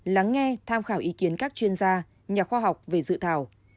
lắng nghe tham khảo ý kiến các chuyên gia nhà khoa học về dự thảo